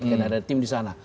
kan ada tim di sana